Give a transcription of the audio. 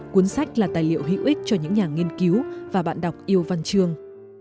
cuốn sách là tài liệu hữu ích cho những nhà nghiên cứu và bạn đọc yêu văn chương